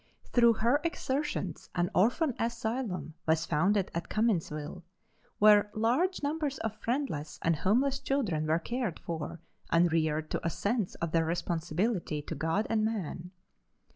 Through her exertions an orphan asylum was founded at Cumminsville, where large numbers of friendless and homeless children were cared for and reared to a sense of their responsibility to God and man.